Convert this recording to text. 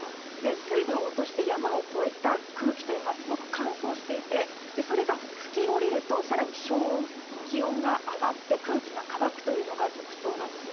水分を落として山を越えた空気というのはすごく乾燥していてそれが吹き下りると更に昇温気温が上がって空気が乾くというのが特徴なんです。